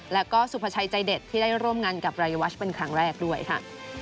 แล้วก็สุภาชัยใจเด็ดที่ได้ร่วมงานกับรายวัชเป็นครั้งแรกด้วยค่ะ